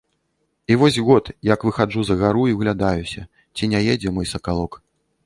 І вось год, як выхаджу за гару і ўглядаюся, ці не едзе мой сакалок.